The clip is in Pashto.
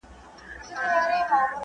طبي پوهنځۍ په خپلسري ډول نه ویشل کیږي.